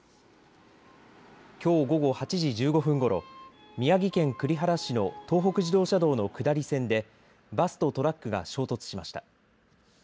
きょう、午後８時１５分ごろ宮城県栗原市の東北自動車道の下り線でバスとトラックが衝突しました。